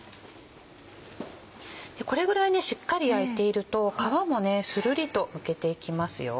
これぐらいしっかり焼いていると皮もするりとむけていきますよ。